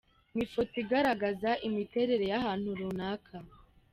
Ni ifoto igaragaza imiterere y’ahantu runaka.